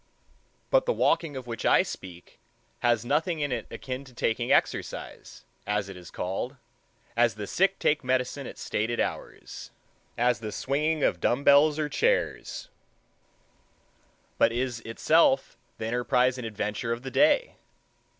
But the walking of which I speak has nothing in it akin to taking exercise, as it is called, as the sick take medicine at stated hours—as the swinging of dumb bells or chairs; but is itself the enterprise and adventure of the day.